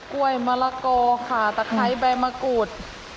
กล้วยมะละกอค่ะตะไคร้ใบมะกรูด